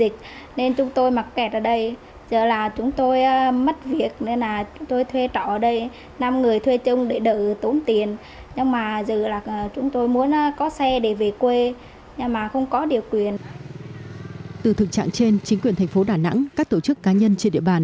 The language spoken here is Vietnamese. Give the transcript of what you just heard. từ thực trạng trên chính quyền thành phố đà nẵng các tổ chức cá nhân trên địa bàn